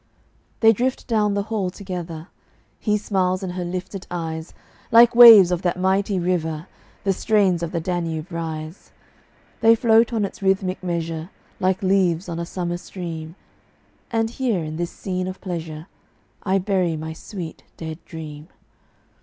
They drift down the hall together; He smiles in her lifted eyes; Like waves of that mighty river, The strains of the "Danube" rise. They float on its rhythmic measure Like leaves on a summer stream; And here, in this scene of pleasure, I bury my sweet, dead dream.